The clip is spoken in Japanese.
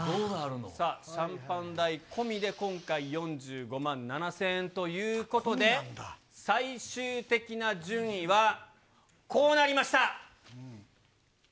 さあ、シャンパン代込みで、今回４５万７０００円ということで、最終的な順位は、こうなりました。